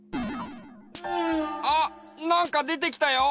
あっなんかでてきたよ！